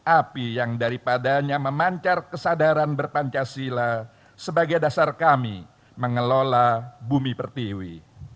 api yang daripadanya memancar kesadaran berpancasila sebagai dasar kami mengelola bumi pertiwi